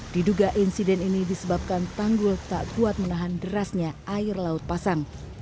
diduga insiden ini disebabkan tanggul tak kuat menahan derasnya air laut pasang